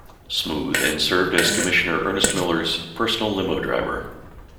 Smooth and served as Commissioner Ernest Miller's personal limo driver.